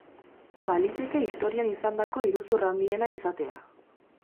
Baliteke historian izandako iruzur handiena izatea.